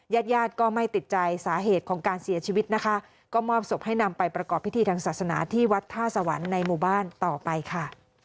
ญาติญาติก็ไม่ติดใจสาเหตุของการเสียชีวิตนะคะก็มอบศพให้นำไปประกอบพิธีทางศาสนาที่วัดท่าสวรรค์ในหมู่บ้านต่อไปค่ะ